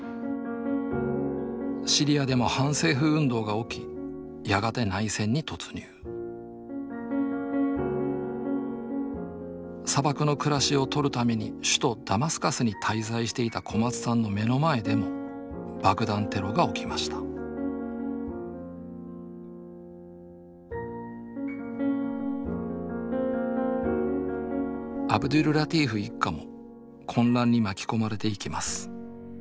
シリアでも反政府運動が起きやがて内戦に突入砂漠の暮らしを撮るために首都ダマスカスに滞在していた小松さんの目の前でも爆弾テロが起きましたアブドュルラティーフ一家も混乱に巻き込まれていきます。